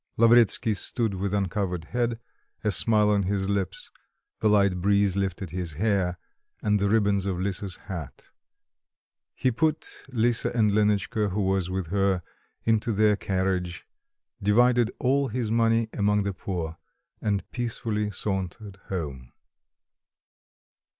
Lavretsky stood with uncovered head, a smile on his lips; the light breeze lifted his hair, and the ribbons of Lisa's hat. He put Lisa and Lenotchka who was with her into their carriage, divided all his money among the poor, and peacefully sauntered home.